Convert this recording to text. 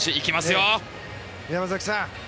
山崎さん